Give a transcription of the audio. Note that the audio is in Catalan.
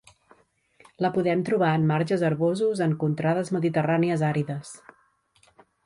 La podem trobar en marges herbosos en contrades mediterrànies àrides.